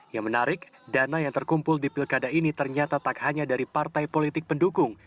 yang menarik dana yang terkumpul di pilkada ini ternyata tak hanya dari partai politik pendukung